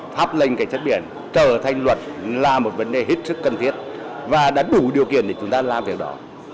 pháp lệnh cảnh sát biển trở thành luật là một vấn đề hết sức cần thiết và đã đủ điều kiện để chúng ta làm việc đó